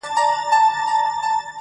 ټوله ژوند مي سترګي ډکي له خیالونو-